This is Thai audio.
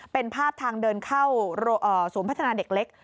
เป็นภาพทางเดินเข้าศูนย์พัฒนาเด็กเล็ก